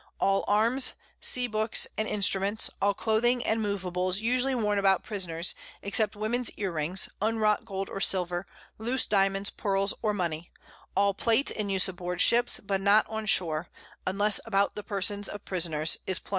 All Arms, Sea Books and Instruments, all Cloathing and Moveables, usally worn about Prisoners, except Women's Ear rings, unwrought Gold or Silver, loose Diamonds, Pearls or Money; all Plate in use aboard Ships, but not on Shoar, (unless about the Persons of Prisoners) is Plunder.